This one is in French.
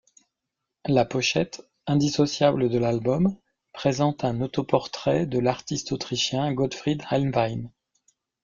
La pochette, indissociable de l'album, présente un autoportrait de l'artiste autrichien Gottfried Helnwein.